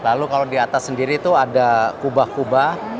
lalu kalau di atas sendiri itu ada kubah kubah